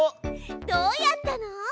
どうやったの？